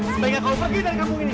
sebaiknya kau pergi dari kampung ini